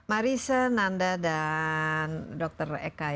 marissa nanda dan dr eka